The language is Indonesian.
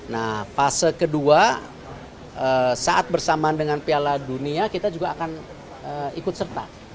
nah fase kedua saat bersamaan dengan piala dunia kita juga akan ikut serta